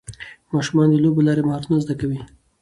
ماشومان د لوبو له لارې مهارتونه زده کوي